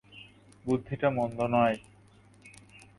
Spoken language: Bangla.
বুদ্ধিটা মন্দ নয়।